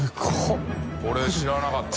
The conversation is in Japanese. これ知らなかった。